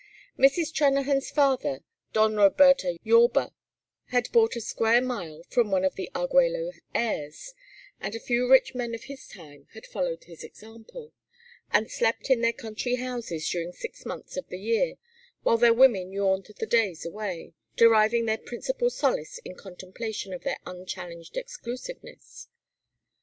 Mrs. Trennahan's father, Don Roberto Yorba, had bought a square mile from one of the Argüello heirs, and a few rich men of his time had followed his example; and slept in their country houses during six months of the year while their women yawned the days away, deriving their principal solace in contemplation of their unchallenged exclusiveness.